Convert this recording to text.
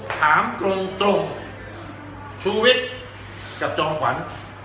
ถามตรงตรงชูวิตกับจอมขวัญ